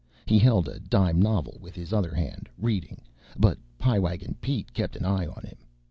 He held a dime novel with his other hand, reading; but Pie Wagon Pete kept an eye on him.